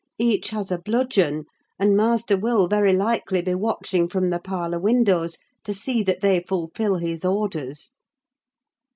Each has a bludgeon; and master will, very likely, be watching from the parlour windows to see that they fulfil his orders."